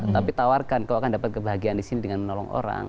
tapi tawarkan kalau akan dapat kebahagiaan disini dengan menolong orang